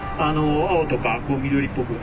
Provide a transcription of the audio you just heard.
青とか緑っぽく。